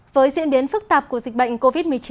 với diễn biến phức tạp của dịch bệnh covid một mươi chín